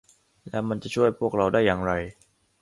แล้วมันจะช่วยพวกเราได้อย่างไร